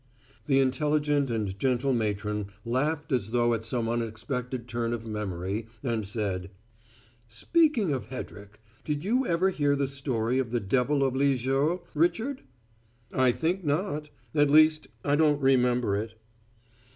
The intelligent and gentle matron laughed as though at some unexpected turn of memory and said: "Speaking of Hedrick, did you ever hear the story of the Devil of Lisieux, Richard?" "I think not; at least, I don't remember it."